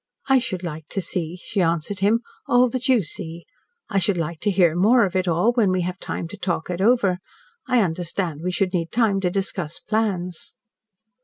"I should like to see," she answered him, "all that you see. I should like to hear more of it all, when we have time to talk it over. I understand we should need time to discuss plans."